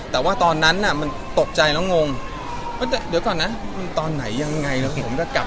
แต่ว่าตอนนั้นน่ะมันตกใจแล้วงงเดี๋ยวก่อนนะมันตอนไหนยังไงนะผมจะกลับ